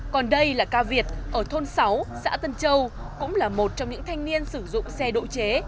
còn đây là cao việt ở thôn sáu xã tân châu cũng là một trong những thanh niên sử dụng xe độ chế